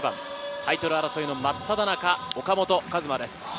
タイトル争いの真っただ中、岡本和真です。